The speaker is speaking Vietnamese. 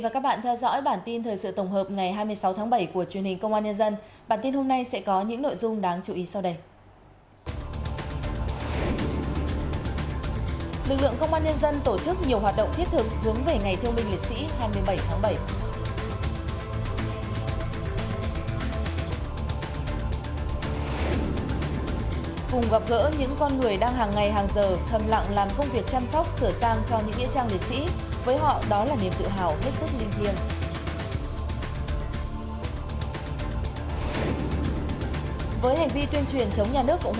các bạn hãy đăng ký kênh để ủng hộ kênh của chúng mình nhé